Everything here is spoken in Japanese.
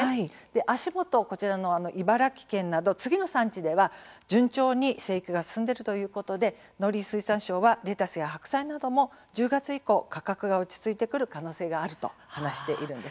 足元、こちらの茨城県など次の産地では順調に生育が進んでいるということで農林水産省はレタスや白菜なども１０月以降価格が落ち着いてくる可能性があると話しています。